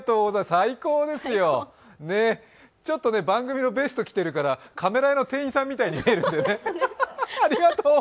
最高ですよ、ちょっと番組のベスト着てるからカメラ屋の店員さんみたいに見えるんだよね。